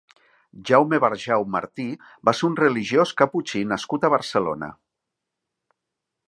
Jaume Barjau Martí va ser un religiós caputxí nascut a Barcelona.